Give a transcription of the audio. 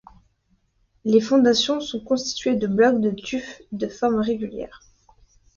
Les fondations sont constitués de blocs de tufs de formes régulières.